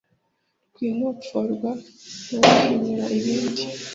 Rwinopforwa nabahinyura ibindi